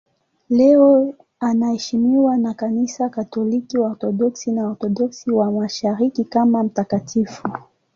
Leo anaheshimiwa na Kanisa Katoliki, Waorthodoksi na Waorthodoksi wa Mashariki kama mtakatifu.